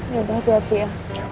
ya berhati hati ya